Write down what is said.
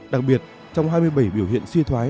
đặc biệt trong hai mươi bảy biểu hiện suy thoái